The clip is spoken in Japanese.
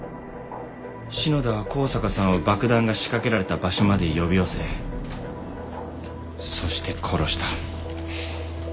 篠田は香坂さんを爆弾が仕掛けられた場所まで呼び寄せそして殺した。